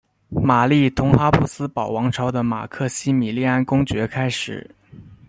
玛丽同哈布斯堡王朝的马克西米利安公爵开始。